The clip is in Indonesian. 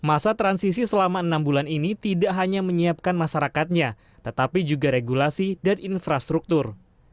masa transisi selama enam bulan ini tidak hanya menyiapkan masyarakatnya tetapi juga regulasi dan infrastruktur